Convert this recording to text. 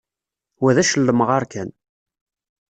Wa d ačellemɣar kan.